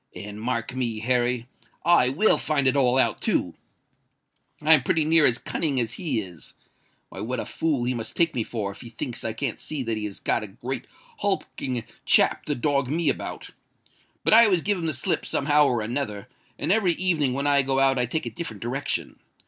And, mark me, Harry—I will find it all out too! I'm pretty near as cunning as he is! Why—what a fool he must take me for, if he thinks I can't see that he has got a great hulking chap to dog me about. But I always give him the slip somehow or another; and every evening when I go out I take a different direction.